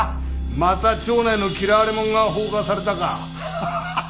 また町内の嫌われ者が放火されたか。